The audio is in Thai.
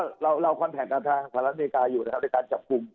อันนี้เราคอนแท็กต์กันทางฝรั่งอเมริกาอยู่นะครับในการจับกลุ่ม